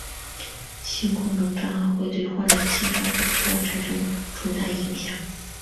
性功能障碍会对患者的性生活质量产生重大影响。